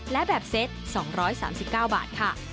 และแบบเซต๒๓๙บาทค่ะ